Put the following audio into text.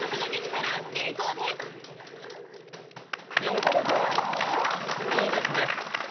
おもろそう、いいですね。